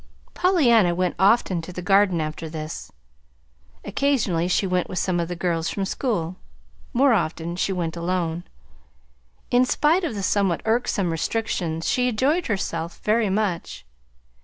Pollyanna went often to the Garden after this. Occasionally she went with some of the girls from school. More often she went alone. In spite of the somewhat irksome restrictions she enjoyed herself very much.